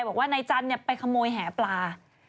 บอกว่านายจันทร์ไปขโมยแหปลา